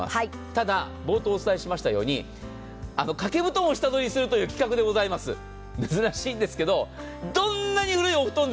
ただ、冒頭お伝えしましたように、掛け布団を下取りするという企画でございます、珍しいんですけれどもこちら。